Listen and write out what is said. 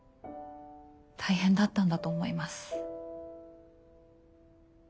大変だったんだと思います。